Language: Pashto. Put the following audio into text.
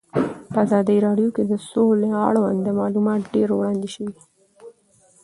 په ازادي راډیو کې د سوله اړوند معلومات ډېر وړاندې شوي.